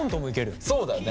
そうだよね。